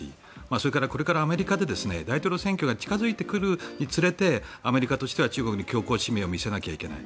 それからこれからアメリカで大統領選挙が近付いてくるにつれてアメリカとしては中国に強硬姿勢を見せないといけない。